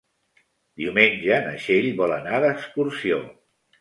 Diumenge na Txell vol anar d'excursió.